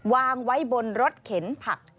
วางไว้บนรถเข็นผัก